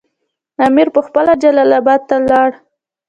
امیر پخپله جلال اباد ته ولاړ.